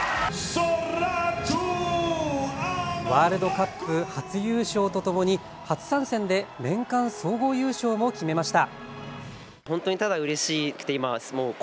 ワールドカップ初優勝とともに初参戦で年間総合優勝も決めました。